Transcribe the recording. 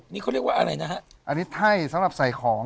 นี่เขาเรียกว่าอะไรนะฮะอันนี้ให้สำหรับใส่ของ